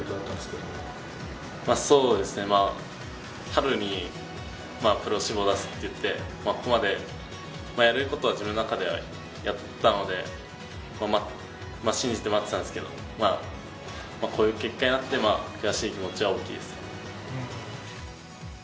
春にプロ志望を出すといって、ここまでやれることは自分の中でやったので信じて待ってたんですけど、こういう結果になって悔しい気持ちは大きいです。